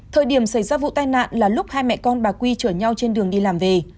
thời điểm xảy ra vụ tai nạn là lúc hai mẹ con bà quy chở nhau trên đường đi làm về